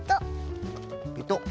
ペトッ。